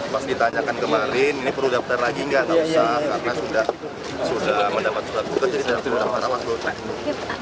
pas ditanyakan kemarin ini perlu daftar lagi nggak usah karena sudah mendapat surat